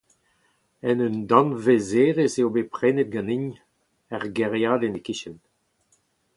En un danvezerezh eo bet prenet ganin, er gêriadenn e-kichen.